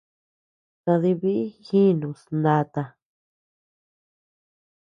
Sadï biʼi jiinus nata.